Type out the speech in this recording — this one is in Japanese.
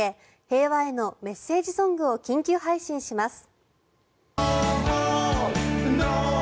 平和へのメッセージソングを緊急配信します。